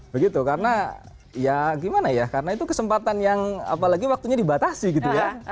begitu karena ya gimana ya karena itu kesempatan yang apalagi waktunya dibatasi gitu ya